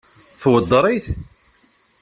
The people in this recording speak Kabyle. Tweddeṛ-it?